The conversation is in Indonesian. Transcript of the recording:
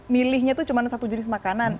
milihnya itu cuma satu jenis makanan